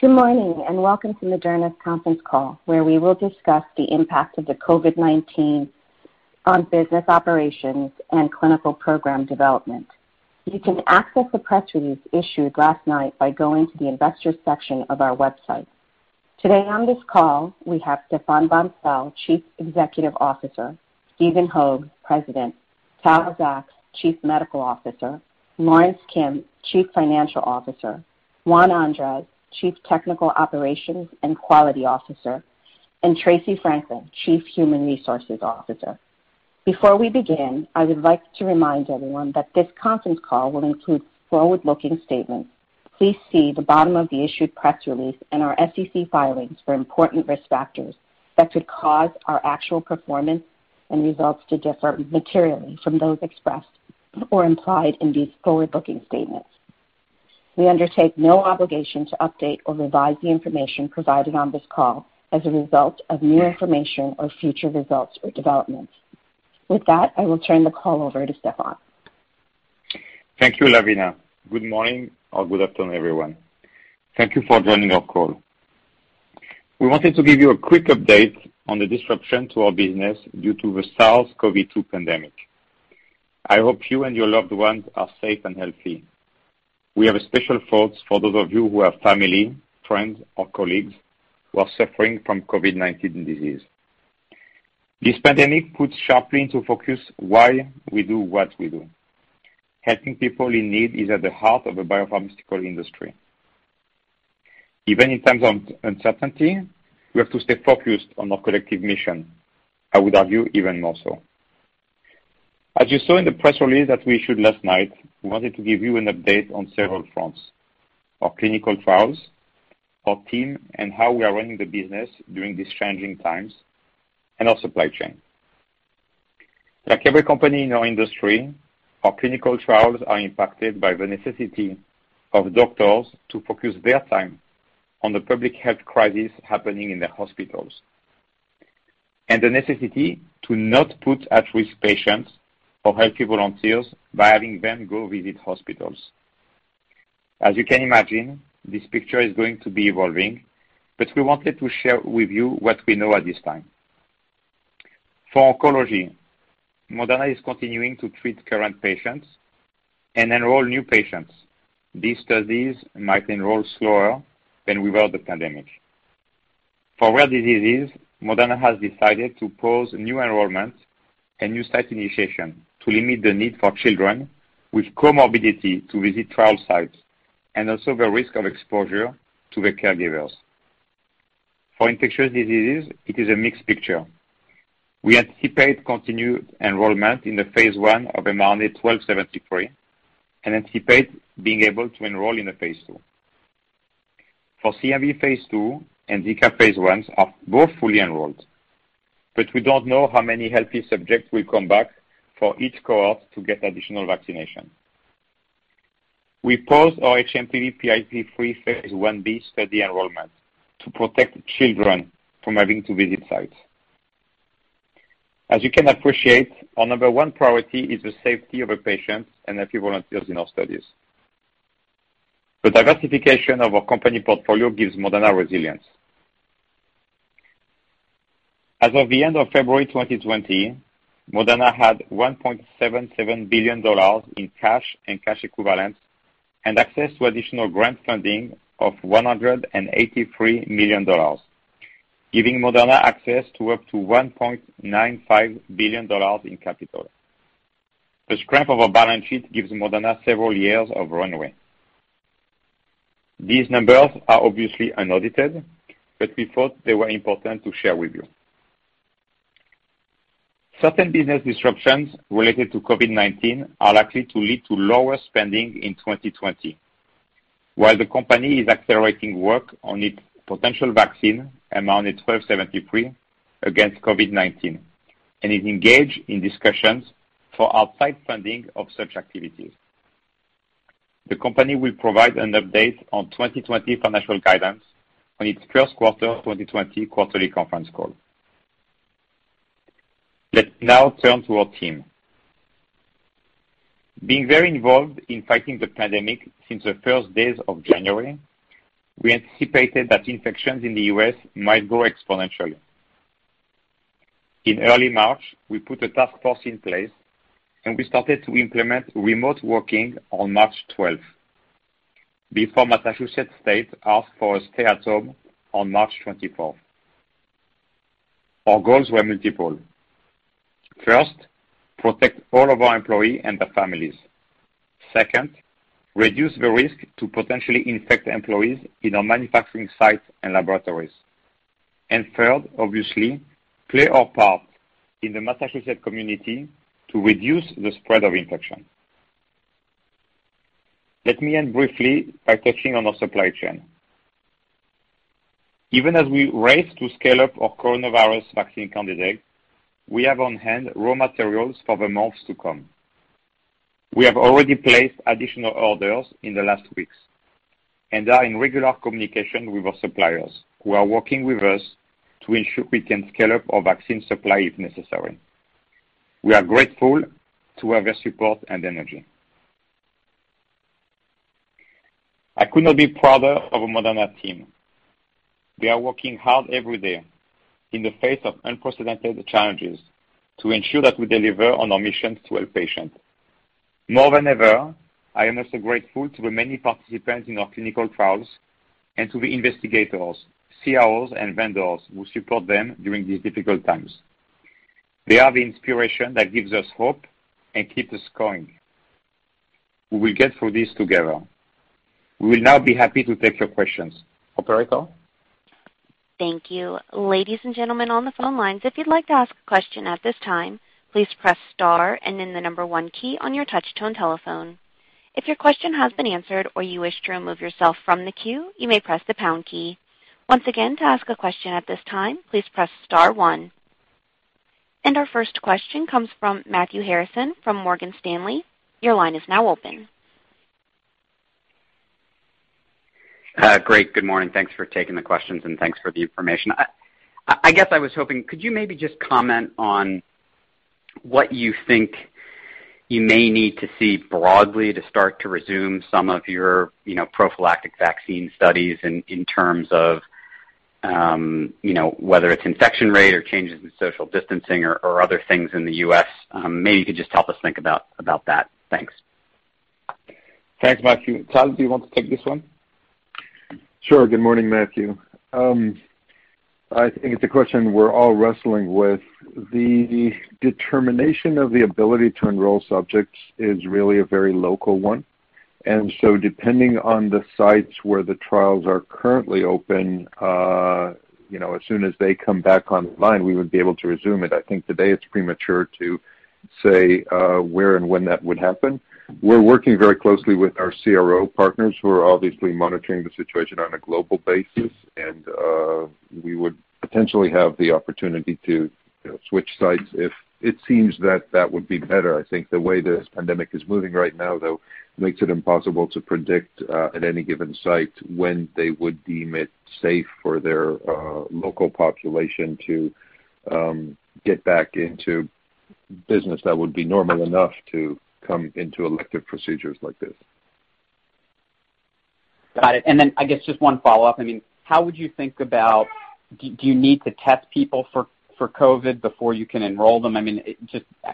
Good morning, and welcome to Moderna's conference call, where we will discuss the impact of the COVID-19 on business operations and clinical program development. You can access the press release issued last night by going to the investors section of our website. Today on this call, we have Stéphane Bancel, Chief Executive Officer, Stephen Hoge, President, Tal Zaks, Chief Medical Officer, Lorence Kim, Chief Financial Officer, Juan Andres, Chief Technical Operations and Quality Officer, and Tracey Franklin, Chief Human Resources Officer. Before we begin, I would like to remind everyone that this conference call will include forward-looking statements. Please see the bottom of the issued press release and our SEC filings for important risk factors that could cause our actual performance and results to differ materially from those expressed or implied in these forward-looking statements. We undertake no obligation to update or revise the information provided on this call as a result of new information or future results or developments. With that, I will turn the call over to Stéphane. Thank you, Lavina. Good morning or good afternoon, everyone. Thank you for joining our call. We wanted to give you a quick update on the disruption to our business due to the SARS-CoV-2 pandemic. I hope you and your loved ones are safe and healthy. We have special thoughts for those of you who have family, friends, or colleagues who are suffering from COVID-19 disease. This pandemic puts sharply into focus why we do what we do. Helping people in need is at the heart of the biopharmaceutical industry. Even in times of uncertainty, we have to stay focused on our collective mission, I would argue even more so. As you saw in the press release that we issued last night, we wanted to give you an update on several fronts, our clinical trials, our team, and how we are running the business during these changing times, and our supply chain. Like every company in our industry, our clinical trials are impacted by the necessity of doctors to focus their time on the public health crisis happening in their hospitals, and the necessity to not put at-risk patients or healthy volunteers by having them go visit hospitals. As you can imagine, this picture is going to be evolving, we wanted to share with you what we know at this time. For oncology, Moderna is continuing to treat current patients and enroll new patients. These studies might enroll slower than without the pandemic. For rare diseases, Moderna has decided to pause new enrollment and new site initiation to limit the need for children with comorbidity to visit trial sites, and also the risk of exposure to their caregivers. For infectious diseases, it is a mixed picture. We anticipate continued enrollment in the phase I of mRNA-1273, and anticipate being able to enroll in the phase II. For CMV phase II and Zika phase I are both fully enrolled, but we don't know how many healthy subjects will come back for each cohort to get additional vaccination. We paused our hMPV/PIV3 phase I-B study enrollment to protect children from having to visit sites. As you can appreciate, our number one priority is the safety of our patients and healthy volunteers in our studies. The diversification of our company portfolio gives Moderna resilience. As of the end of February 2020, Moderna had $1.77 billion in cash and cash equivalents and access to additional grant funding of $183 million, giving Moderna access to up to $1.95 billion in capital. The strength of our balance sheet gives Moderna several years of runway. These numbers are obviously unaudited, but we thought they were important to share with you. Certain business disruptions related to COVID-19 are likely to lead to lower spending in 2020. While the company is accelerating work on its potential vaccine, mRNA-1273, against COVID-19, and is engaged in discussions for outside funding of such activities. The company will provide an update on 2020 financial guidance on its first quarter 2020 quarterly conference call. Let's now turn to our team. Being very involved in fighting the pandemic since the first days of January, we anticipated that infections in the U.S. might grow exponentially. In early March, we put a task force in place, and we started to implement remote working on March 12th, before Massachusetts state asked for a stay-at-home on March 24th. Our goals were multiple. First, protect all of our employee and their families. Second, reduce the risk to potentially infect employees in our manufacturing sites and laboratories. Third, obviously, play our part in the Massachusetts community to reduce the spread of infection. Let me end briefly by touching on our supply chain. Even as we race to scale up our coronavirus vaccine candidate, we have on hand raw materials for the months to come. We have already placed additional orders in the last weeks and are in regular communication with our suppliers, who are working with us to ensure we can scale up our vaccine supply if necessary. We are grateful to have their support and energy. I could not be prouder of our Moderna team. They are working hard every day in the face of unprecedented challenges to ensure that we deliver on our mission to help patients. More than ever, I am also grateful to the many participants in our clinical trials, and to the investigators, CROs, and vendors who support them during these difficult times. They are the inspiration that gives us hope and keeps us going. We will get through this together. We will now be happy to take your questions. Operator? Thank you. Ladies and gentlemen on the phone lines, if you'd like to ask a question at this time, please press star and then the number one key on your touch-tone telephone. If your question has been answered or you wish to remove yourself from the queue, you may press the pound key. Once again, to ask a question at this time, please press star one. Our first question comes from Matthew Harrison from Morgan Stanley. Your line is now open. Great. Good morning. Thanks for taking the questions, and thanks for the information. I guess I was hoping, could you maybe just comment on what you think you may need to see broadly to start to resume some of your prophylactic vaccine studies in terms of whether it's infection rate or changes in social distancing or other things in the U.S. Maybe you could just help us think about that. Thanks. Thanks, Matthew. Tal, do you want to take this one? Sure. Good morning, Matthew. I think it's a question we're all wrestling with. The determination of the ability to enroll subjects is really a very local one. Depending on the sites where the trials are currently open, as soon as they come back online, we would be able to resume it. I think today it's premature to say where and when that would happen. We're working very closely with our CRO partners who are obviously monitoring the situation on a global basis, and we would potentially have the opportunity to switch sites if it seems that that would be better. I think the way this pandemic is moving right now, though, makes it impossible to predict at any given site when they would deem it safe for their local population to get back into business that would be normal enough to come into elective procedures like this. Got it. I guess just one follow-up. How would you think about, do you need to test people for COVID before you can enroll them?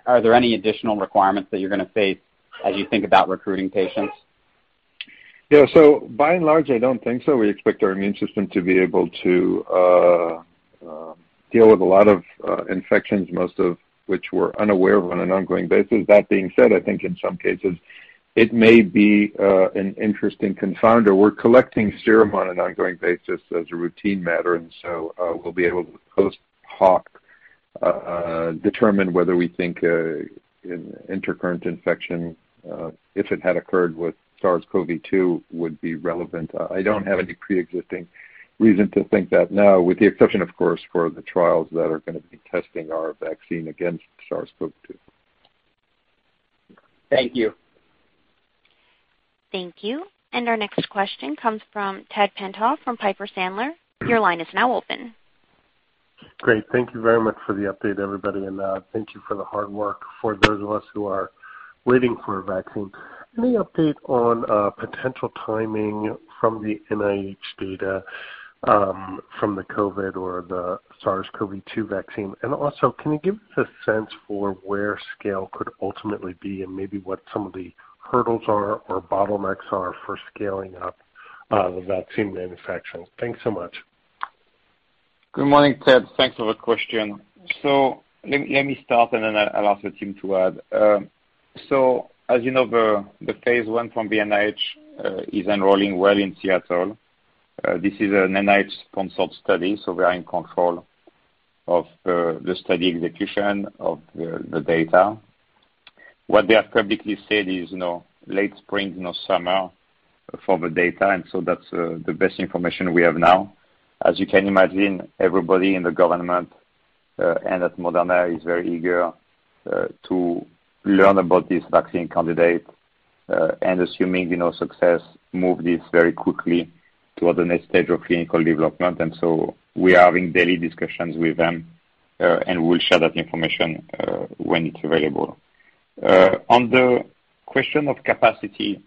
Are there any additional requirements that you're going to face as you think about recruiting patients? Yeah. By and large, I don't think so. We expect our immune system to be able to deal with a lot of infections, most of which we're unaware of on an ongoing basis. That being said, I think in some cases it may be an interesting confounder. We're collecting serum on an ongoing basis as a routine matter, we'll be able to post hoc determine whether we think an intercurrent infection, if it had occurred with SARS-CoV-2, would be relevant. I don't have any preexisting reason to think that now, with the exception, of course, for the trials that are going to be testing our vaccine against SARS-CoV-2. Thank you. Thank you. Our next question comes from Ted Tenthoff from Piper Sandler. Your line is now open. Great. Thank you very much for the update, everybody, and thank you for the hard work for those of us who are waiting for a vaccine. Any update on potential timing from the NIH data from the COVID or the SARS-CoV-2 vaccine? Can you give us a sense for where scale could ultimately be and maybe what some of the hurdles are, or bottlenecks are for scaling up the vaccine manufacturing? Thanks so much. Good morning, Ted. Thanks for the question. Let me start, and then I'll ask the team to add. As you know, the phase I from the NIH is enrolling well in Seattle. This is an NIH-sponsored study. We are in control of the study execution of the data. What they have publicly said is late spring, summer for the data. That's the best information we have now. As you can imagine, everybody in the government and at Moderna is very eager to learn about this vaccine candidate. Assuming success, move this very quickly to the next stage of clinical development. We are having daily discussions with them, and we'll share that information when it's available. On the question of capacity,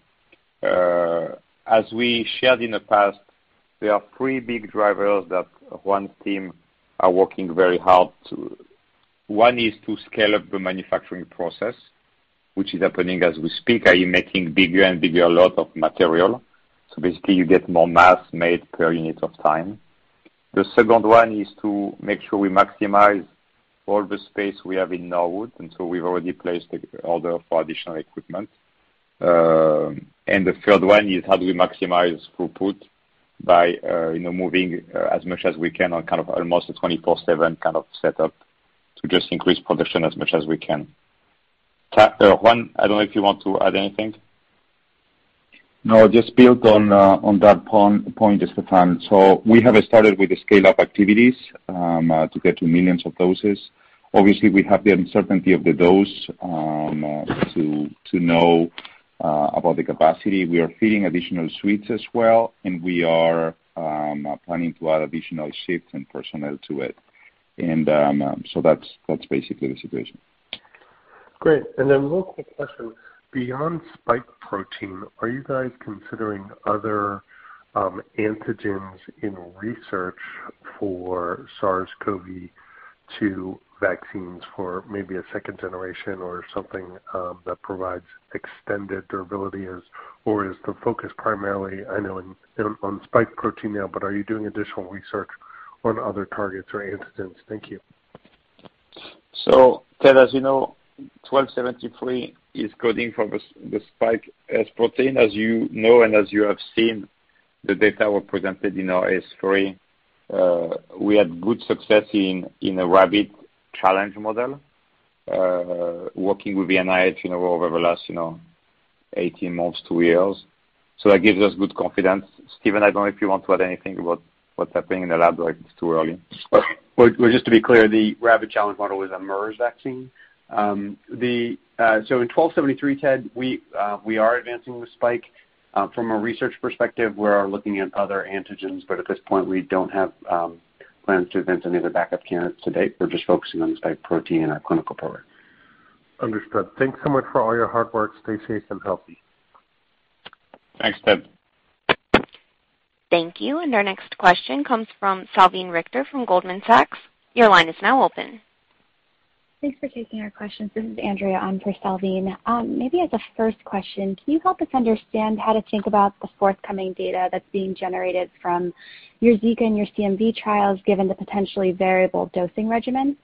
as we shared in the past, there are three big drivers that Juan's team are working very hard to One is to scale up the manufacturing process, which is happening as we speak, are making bigger and bigger lot of material. So basically you get more mass made per unit of time. The second one is to make sure we maximize all the space we have in Norwood, and so we've already placed the order for additional equipment. The third one is how do we maximize throughput by moving as much as we can on almost a 24/7 kind of setup to just increase production as much as we can. Juan, I don't know if you want to add anything. Just build on that point, just for time. We have started with the scale-up activities to get to millions of doses. Obviously, we have the uncertainty of the dose to know. About the capacity, we are fitting additional suites as well, and we are planning to add additional shifts and personnel to it. That's basically the situation. Great. Then one quick question. Beyond spike protein, are you guys considering other antigens in research for SARS-CoV-2 vaccines for maybe a second generation or something that provides extended durability? Is the focus primarily, I know on spike protein now, but are you doing additional research on other targets or antigens? Thank you. Ted, as you know, 1273 is coding for the spike S protein, as you know, and as you have seen, the data were presented in our ASH. We had good success in a rabbit challenge model, working with the NIH over the last 18 months, two years. That gives us good confidence. Stephen, I don't know if you want to add anything about what's happening in the lab, or it's too early. Well, just to be clear, the rabbit challenge model was a MERS vaccine. In 1273, Ted, we are advancing with spike. From a research perspective, we are looking at other antigens, but at this point, we don't have plans to advance any other backup candidates to date. We're just focusing on the spike protein in our clinical program. Understood. Thanks so much for all your hard work. Stay safe and healthy. Thanks, Ted. Thank you. Our next question comes from Salveen Richter from Goldman Sachs. Your line is now open. Thanks for taking our questions. This is Andrea on for Salveen. Maybe as a first question, can you help us understand how to think about the forthcoming data that's being generated from your Zika and your CMV trials, given the potentially variable dosing regimen?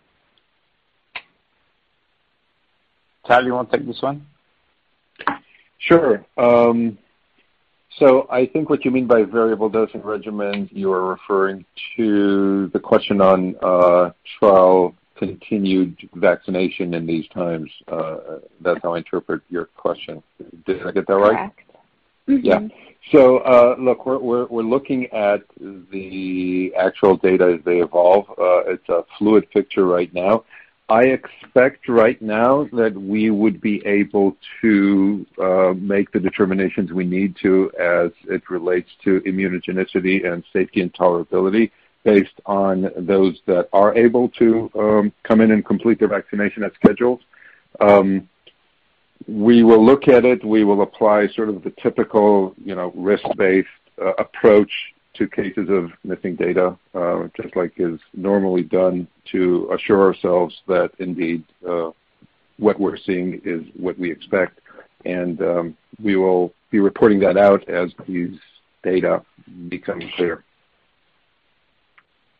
Todd, you want to take this one? Sure. I think what you mean by variable dosing regimen, you are referring to the question on trial continued vaccination in these times. That's how I interpret your question. Did I get that right? Correct. Mm-hmm. Yeah. Look, we're looking at the actual data as they evolve. It's a fluid picture right now. I expect right now that we would be able to make the determinations we need to as it relates to immunogenicity and safety and tolerability based on those that are able to come in and complete their vaccination as scheduled. We will look at it, we will apply sort of the typical risk-based approach to cases of missing data, just like is normally done to assure ourselves that indeed what we're seeing is what we expect. We will be reporting that out as these data become clear.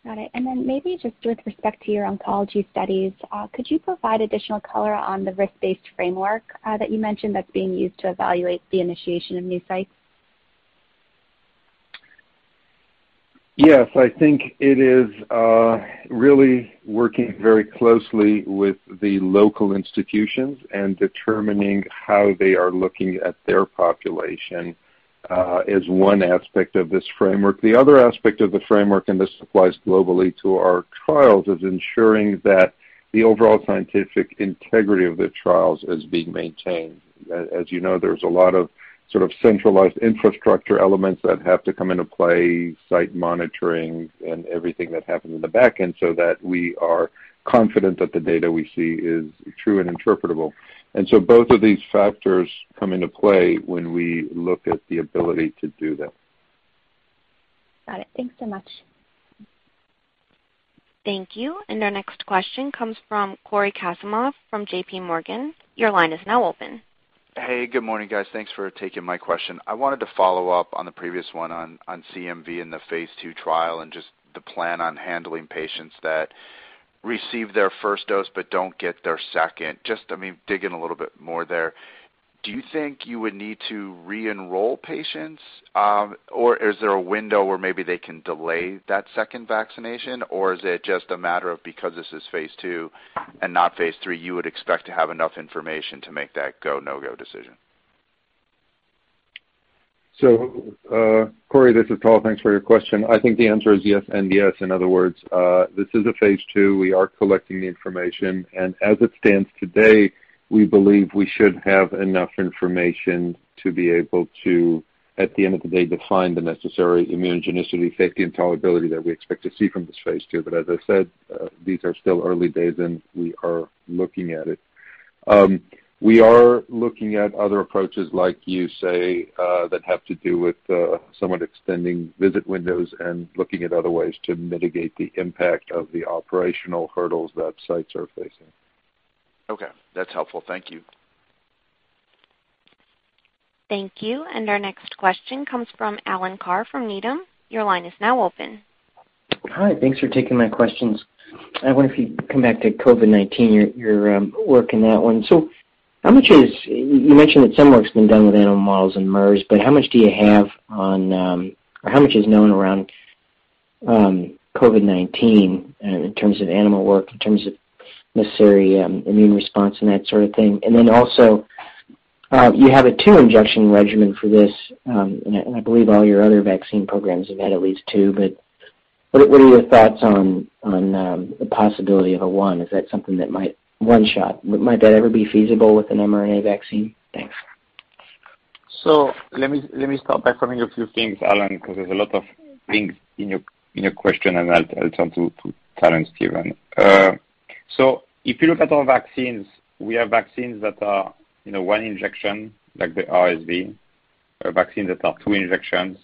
Got it. Then maybe just with respect to your oncology studies, could you provide additional color on the risk-based framework that you mentioned that's being used to evaluate the initiation of new sites? Yes, I think it is really working very closely with the local institutions and determining how they are looking at their population is one aspect of this framework. The other aspect of the framework, and this applies globally to our trials, is ensuring that the overall scientific integrity of the trials is being maintained. As you know, there's a lot of sort of centralized infrastructure elements that have to come into play, site monitoring and everything that happens in the back end so that we are confident that the data we see is true and interpretable. Both of these factors come into play when we look at the ability to do that. Got it. Thanks so much. Thank you. Our next question comes from Cory Kasimov from JPMorgan. Your line is now open. Hey, good morning, guys. Thanks for taking my question. I wanted to follow up on the previous one on CMV and the phase II trial and just, I mean, the plan on handling patients that receive their first dose but don't get their second. I mean, dig in a little bit more there. Do you think you would need to re-enroll patients? Is there a window where maybe they can delay that second vaccination? Is it just a matter of because this is phase II and not phase III, you would expect to have enough information to make that go, no-go decision? Cory, this is Tal. Thanks for your question. I think the answer is yes and yes. In other words, this is a phase II. We are collecting the information, and as it stands today, we believe we should have enough information to be able to, at the end of the day, define the necessary immunogenicity, safety, and tolerability that we expect to see from this phase II. As I said, these are still early days and we are looking at it. We are looking at other approaches like you say, that have to do with somewhat extending visit windows and looking at other ways to mitigate the impact of the operational hurdles that sites are facing. Okay. That's helpful. Thank you. Thank you. Our next question comes from Alan Carr from Needham. Your line is now open. Hi. Thanks for taking my questions. I wonder if you come back to COVID-19, your work in that one. You mentioned that some work's been done with animal models and MERS, but how much is known around COVID-19 in terms of animal work, in terms of necessary immune response and that sort of thing? You have a two-injection regimen for this, and I believe all your other vaccine programs have had at least two. What are your thoughts on the possibility of a one? Is that something that one shot, might that ever be feasible with an mRNA vaccine? Thanks. let me start by covering a few things, Alan, because there's a lot of things in your question, and I'll turn to Todd and Stephene. if you look at our vaccines, we have vaccines that are one injection, like the RSV, vaccines that are two injections,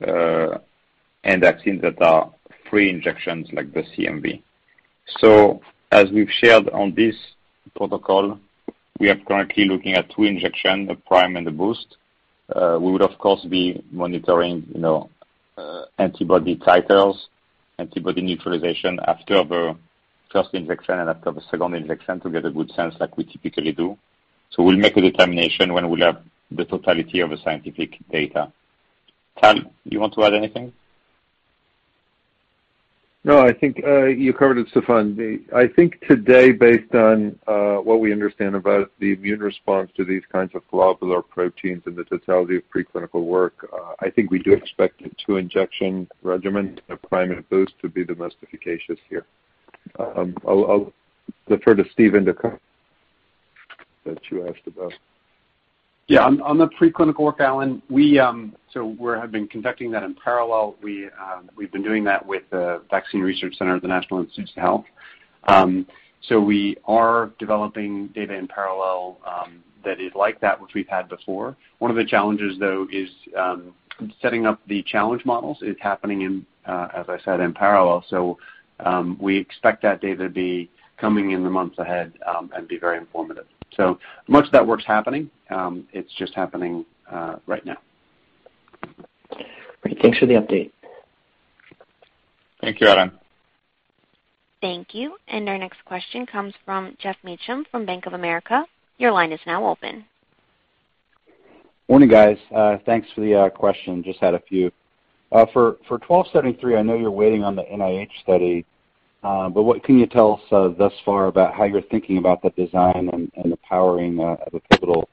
and vaccines that are three injections, like the CMV. as we've shared on this protocol, we are currently looking at two injections, the prime and the boost. We would, of course, be monitoring antibody titers, antibody neutralization after the first injection and after the second injection to get a good sense like we typically do. we'll make a determination when we'll have the totality of the scientific data. Tal, you want to add anything? No, I think you covered it, Stéphane. I think today, based on what we understand about the immune response to these kinds of globular proteins and the totality of preclinical work, I think we do expect a two-injection regimen, a prime and a boost, to be the most efficacious here. I'll defer to Stephen to cover what you asked about. Yeah. On the preclinical work, Alan, we have been conducting that in parallel. We've been doing that with the Vaccine Research Center at the National Institutes of Health. We are developing data in parallel that is like that which we've had before. One of the challenges, though, is setting up the challenge models is happening in, as I said, in parallel. We expect that data to be coming in the months ahead and be very informative. Much of that work's happening. It's just happening right now. Great. Thanks for the update. Thank you, Alan. Thank you. Our next question comes from Geoff Meacham from Bank of America. Your line is now open. Morning, guys. Thanks for the question. Just had a few. For 1273, I know you're waiting on the NIH study. What can you tell us thus far about how you're thinking about the design and the powering of the pivotal?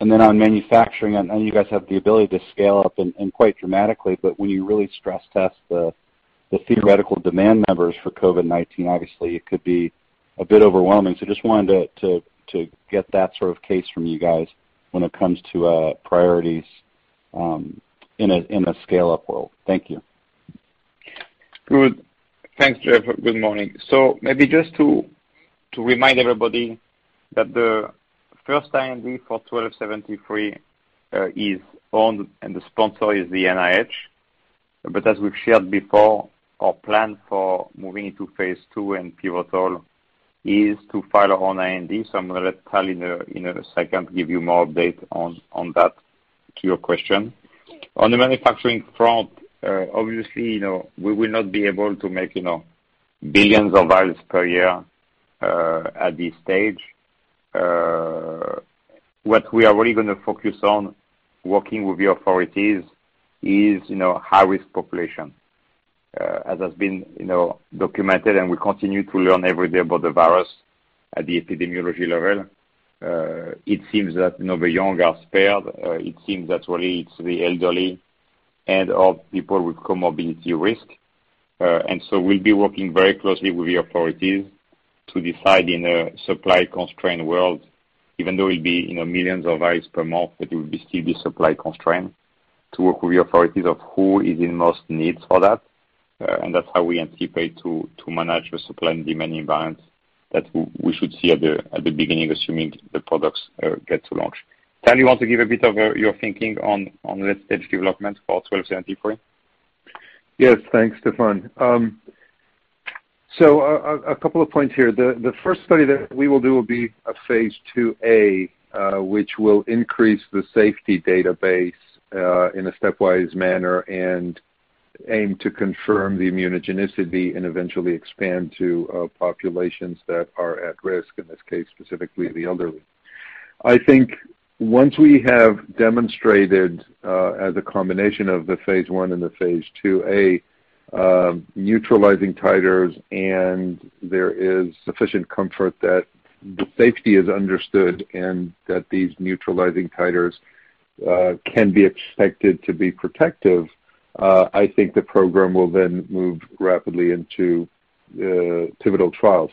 On manufacturing, I know you guys have the ability to scale up and quite dramatically, but when you really stress test the theoretical demand numbers for COVID-19, obviously, it could be a bit overwhelming. Just wanted to get that sort of case from you guys when it comes to priorities in a scale-up world. Thank you. Thanks, Geoff. Good morning. Maybe just to remind everybody that the first IND for mRNA-1273 is owned, and the sponsor is the NIH. As we've shared before, our plan for moving into phase II and pivotal is to file our own IND. I'm going to let Tal in a second give you more update on that to your question. On the manufacturing front, obviously, we will not be able to make billions of vials per year at this stage. What we are really going to focus on working with the authorities is high-risk population. As has been documented and we continue to learn every day about the virus at the epidemiology level, it seems that the young are spared. It seems that really it's the elderly and/or people with comorbidity risk. We'll be working very closely with the authorities to decide in a supply-constrained world, even though it'll be millions of vials per month, but it will still be supply-constrained, to work with the authorities of who is in most need for that. That's how we anticipate to manage the supply and demand environment that we should see at the beginning, assuming the products get to launch. Tal, you want to give a bit of your thinking on late-stage development for mRNA-1273? Yes. Thanks, Stéphane. A couple of points here. The first study that we will do will be a phase II-A, which will increase the safety database in a stepwise manner and aim to confirm the immunogenicity and eventually expand to populations that are at risk, in this case, specifically the elderly. I think once we have demonstrated as a combination of the phase I and the phase II-A neutralizing titers, and there is sufficient comfort that safety is understood and that these neutralizing titers can be expected to be protective, I think the program will then move rapidly into pivotal trials.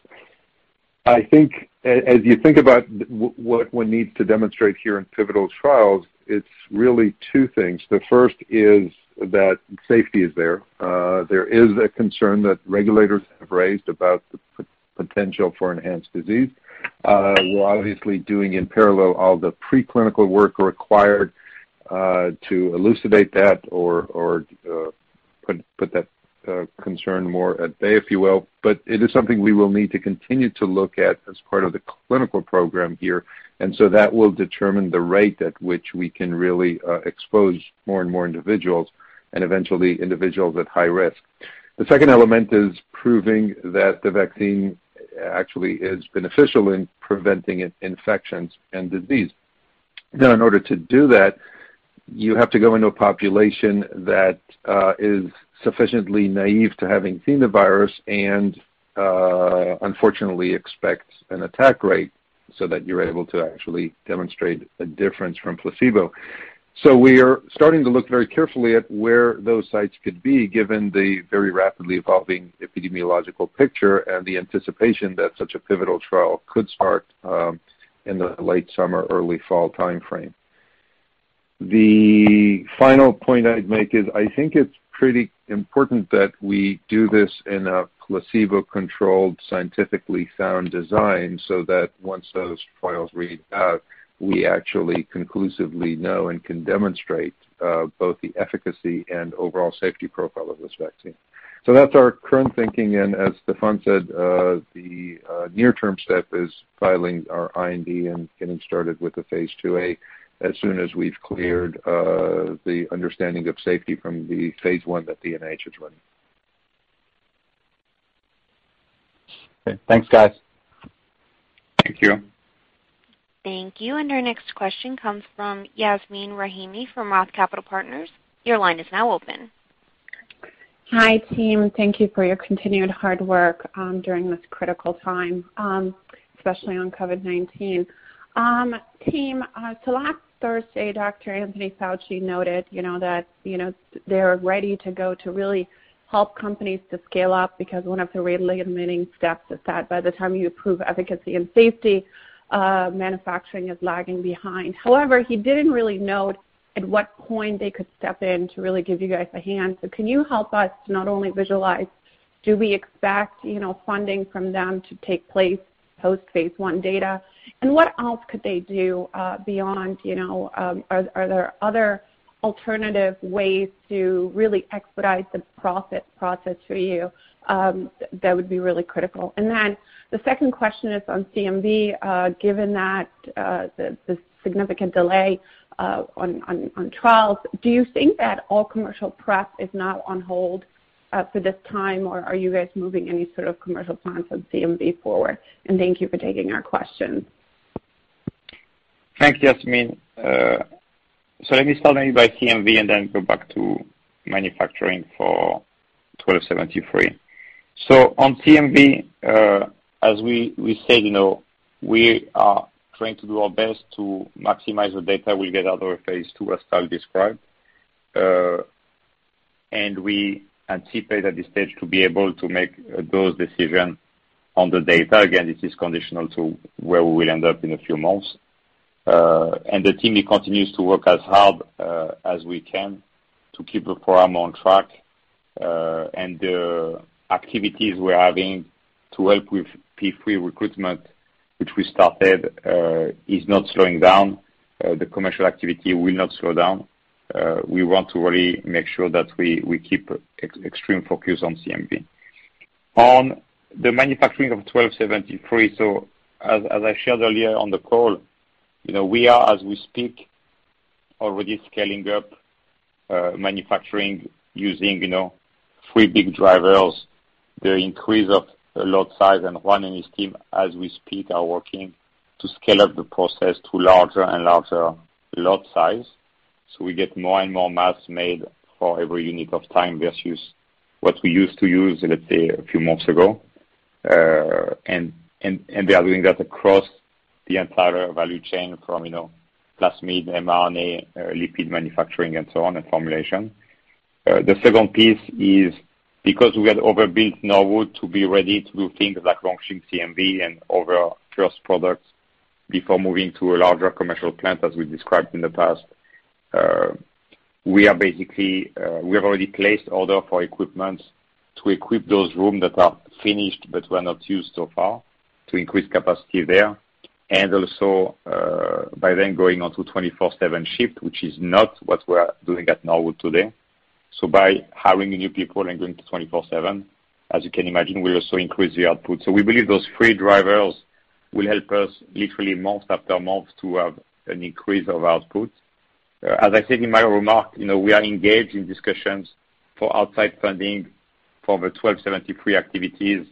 I think as you think about what one needs to demonstrate here in pivotal trials, it's really two things. The first is that safety is there. There is a concern that regulators have raised about the potential for enhanced disease. We're obviously doing in parallel all the preclinical work required to elucidate that or put that concern more at bay, if you will. It is something we will need to continue to look at as part of the clinical program here. That will determine the rate at which we can really expose more and more individuals and eventually individuals at high risk. The second element is proving that the vaccine actually is beneficial in preventing infections and disease. In order to do that, you have to go into a population that is sufficiently naive to having seen the virus and unfortunately expects an attack rate so that you're able to actually demonstrate a difference from placebo. We are starting to look very carefully at where those sites could be, given the very rapidly evolving epidemiological picture and the anticipation that such a pivotal trial could start in the late summer, early fall timeframe. The final point I'd make is I think it's pretty important that we do this in a placebo-controlled, scientifically sound design so that once those trials read out, we actually conclusively know and can demonstrate both the efficacy and overall safety profile of this vaccine. That's our current thinking, and as Stéphane said, the near-term step is filing our IND and getting started with the phase IIa as soon as we've cleared the understanding of safety from the phase I that the NIH is running. Okay. Thanks, guys. Thank you. Thank you. Our next question comes from Yasmeen Rahimi from ROTH Capital Partners. Your line is now open. Hi, team. Thank you for your continued hard work during this critical time, especially on COVID-19. Team, last Thursday, Dr. Anthony Fauci noted that they're ready to go to really help companies to scale up because one of the remaining steps is that by the time you prove efficacy and safety, manufacturing is lagging behind. However, he didn't really note at what point they could step in to really give you guys a hand. Can you help us to not only visualize, do we expect funding from them to take place post-phase I data? What else could they do beyond, are there other alternative ways to really expedite the process for you that would be really critical? The second question is on CMV. Given the significant delay on trials, do you think that all commercial prep is now on hold for this time, or are you guys moving any sort of commercial plans on CMV forward? Thank you for taking our questions. Thanks, Yasmeen. Let me start maybe by CMV and then go back to manufacturing for 1273. On CMV, as we said, we are trying to do our best to maximize the data we get out of our phase II, as Tal described. We anticipate at this stage to be able to make those decisions on the data. Again, this is conditional to where we will end up in a few months. The team continues to work as hard as we can to keep the program on track. The activities we're having to help with Phase III recruitment, which we started, is not slowing down. The commercial activity will not slow down. We want to really make sure that we keep extreme focus on CMV. On the manufacturing of mRNA-1273, as I shared earlier on the call, we are, as we speak, already scaling up manufacturing using three big drivers. The increase of lot size and Juan and his team, as we speak, are working to scale up the process to larger and larger lot size. We get more and more mass made for every unit of time versus what we used to use, let's say, a few months ago. They are doing that across the entire value chain from plasmid, mRNA, lipid manufacturing, and so on, and formulation. The second piece is because we had overbuilt Norwood to be ready to do things like launching CMV and other first products before moving to a larger commercial plant, as we described in the past. We have already placed order for equipment to equip those rooms that are finished but were not used so far to increase capacity there, also by then going on to 24/7 shift, which is not what we're doing at Norwood today. By hiring new people and going to 24/7, as you can imagine, we also increase the output. We believe those three drivers will help us literally month after month to have an increase of output. As I said in my remark, we are engaged in discussions for outside funding for the 1273 activities.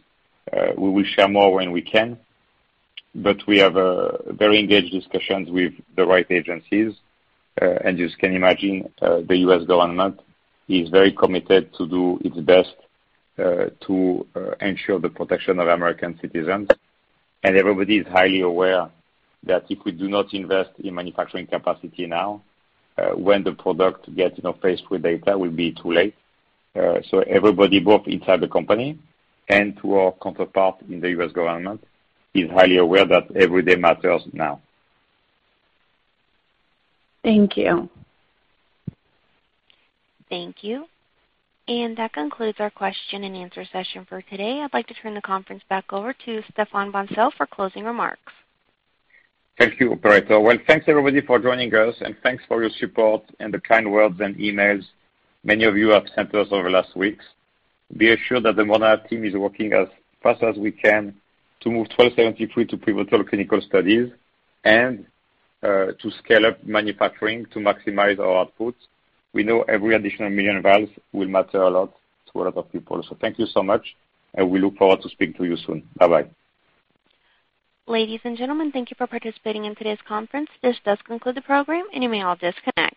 We will share more when we can, but we have very engaged discussions with the right agencies. As you can imagine, the U.S. government is very committed to do its best to ensure the protection of American citizens. Everybody is highly aware that if we do not invest in manufacturing capacity now, when the product gets in a phase III data, it will be too late. Everybody, both inside the company and to our counterpart in the U.S. government, is highly aware that every day matters now. Thank you. Thank you. That concludes our question-and-answer session for today. I'd like to turn the conference back over to Stéphane Bancel for closing remarks. Thank you, operator. Well, thanks everybody for joining us and thanks for your support and the kind words and emails many of you have sent us over the last weeks. Be assured that the Moderna team is working as fast as we can to move 1273 to pivotal clinical studies and to scale up manufacturing to maximize our outputs. We know every additional million vials will matter a lot to a lot of people. Thank you so much, and we look forward to speaking to you soon. Bye-bye. Ladies and gentlemen, thank you for participating in today's conference. This does conclude the program, and you may all disconnect.